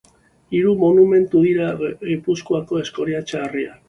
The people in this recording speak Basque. Hiru monumentu dira Gipuzkoako Eskoriatza herrian.